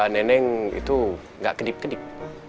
neneng itu nggak kedip kedip